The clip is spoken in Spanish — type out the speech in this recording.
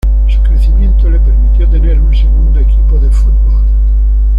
Su crecimiento le permitió tener un segundo equipo de fútbol.